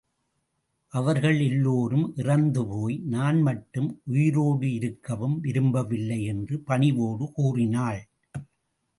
அவர்கள் எல்லோரும் இறந்து போய், நான் மட்டும் உயிரோடு இருக்கவும் விரும்பவில்லை என்று பணிவோடு கூறினாள்.